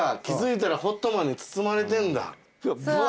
気付いたらホットマンに包まれてんだ。